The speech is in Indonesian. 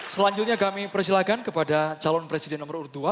selanjutnya kami persilahkan kepada calon presiden nomor urut dua